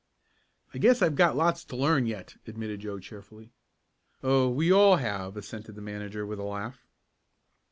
"I guess I've got lots to learn yet," admitted Joe cheerfully. "Oh, we all have," assented the manager with a laugh.